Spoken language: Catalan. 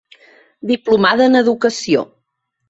Diplomada en Educació.